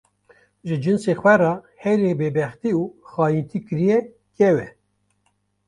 ji cinsê xwe re herî bêbextî û xayîntî kiriye kew e.